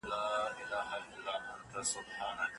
تاسي هره شپه چيري بېدېږئ؟